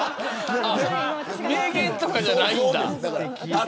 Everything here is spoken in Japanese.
名言とかじゃないんだ。